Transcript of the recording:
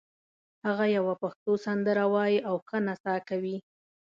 هغه یوه پښتو سندره وایي او ښه نڅا کوي